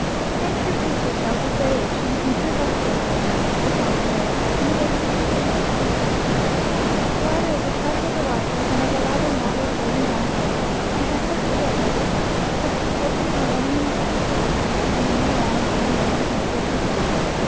Nature repeats herself with variations in two of our sparrows the song sparrow, and the vesper sparrow, or grass finch. The latter is a trifle the larger and of a lighter mottled gray and brown color, and has certain field habits, such as skulking or running in the grass and running along the high way in front of your team.